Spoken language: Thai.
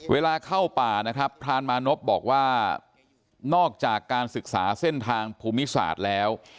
เวลาเข้าป่านะครับพรานมานพบอกว่านอกจากการศึกษาเส้นทางภูมิศาสตร์แล้ว